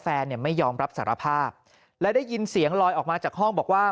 แฟนเนี่ยไม่ยอมรับสารภาพและได้ยินเสียงลอยออกมาจากห้องบอกว่า